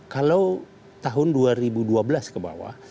kalau tahun dua ribu dua belas ke bawah